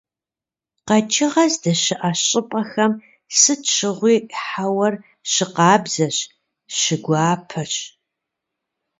КъэкӀыгъэ здэщыӀэ щӀыпӀэхэм сыт щыгъуи хьэуар щыкъабзэщ, щыгуапэщ.